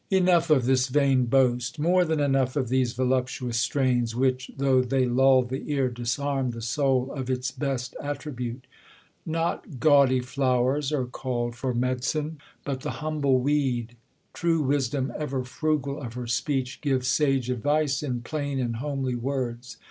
Enough of this vain boast, More than enough of these voluptuous strains. Which, though they lull the ear, disarm the soul Ofits best attribute. Not gaudy flowers Are cull'd for medicine, but the humble weed. True wisdom, ever frugal of her speech, Gives sasre advice in plain and homely words.